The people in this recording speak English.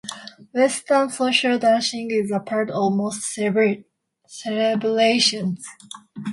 Western social dancing is a part of most celebrations.